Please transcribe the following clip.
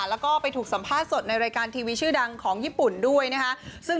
แล้วก็ก็ไปถูกสัมพาสสดในรายการทีวีชื่อดังของญี่ปุ่น